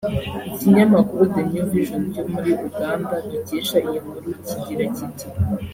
Ikinyamakuru The new vision cyo muri Uganda dukesha iyi nkuru kigira kiti